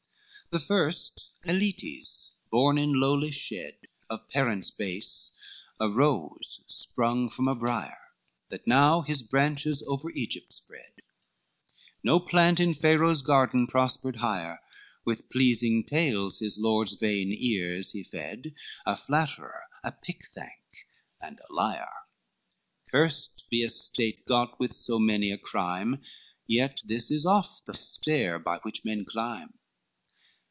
LVIII The first Aletes, born in lowly shed, Of parents base, a rose sprung from a brier, That now his branches over Egypt spread, No plant in Pharaoh's garden prospered higher; With pleasing tales his lord's vain ears he fed, A flatterer, a pick thank, and a liar: Cursed be estate got with so many a crime, Yet this is oft the stair by which men climb.